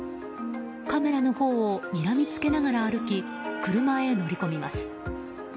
カメラのほうをにらみつけながら歩き車へ乗り込みます。